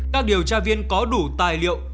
các điều tra viên có đủ tài liệu